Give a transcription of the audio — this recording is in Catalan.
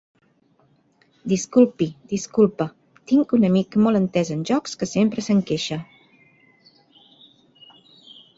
Disculpi, disculpa, tinc un amic molt entès en jocs que sempre se'n queixa.